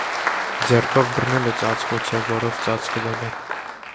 Ձեռքով բռնել է ծածկոցը, որով ծածկվել է։